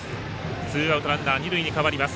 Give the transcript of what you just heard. ツーアウト、ランナー、二塁に変わります。